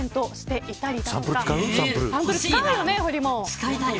使いたいよ。